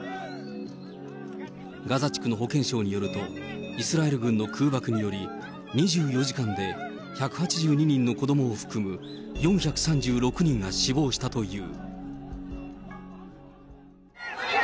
ガザ地区の保健省によると、イスラエル軍の空爆により、２４時間で１８２人の子どもを含む、４３６人が死亡したという。